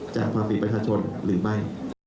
จากความผิดประชาชนหรือไม่